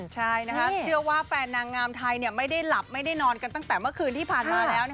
ใช่เชื่อว่าแฟนนางงามไทยไม่ได้หลับไม่ได้นอนกันตั้งแต่เมื่อคืนที่ผ่านมาแล้ว